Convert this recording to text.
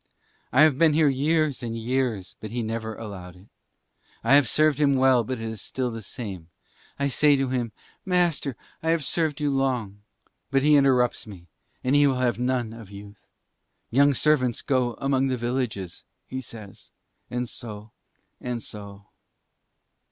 I have been here years and years but he never allowed it. I have served him well but it is still the same. I say to him, 'Master, I have served you long ...' but he interrupts me for he will have none of youth. Young servants go among the villages, he says. And so, and so..."